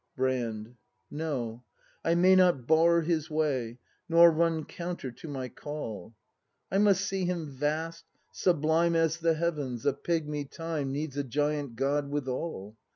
Brand. No; I may not bar his way. Nor run counter to my Call; I must see Him vast, sublime As the heavens, — a pigmy Time Needs a giant God withal!